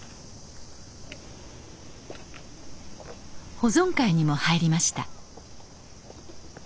保存会にも入りました。